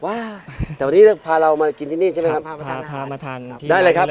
ว่าแต่วันนี้พาเรามากินที่นี่ใช่ไหมครับพาพามาทานครับได้เลยครับ